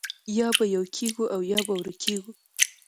یا به یو کېږو او یا به ورکېږو